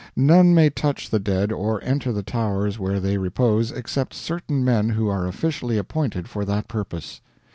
None may touch the dead or enter the Towers where they repose except certain men who are officially appointed for that purpose.